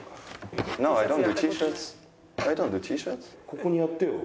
ここにやってよ。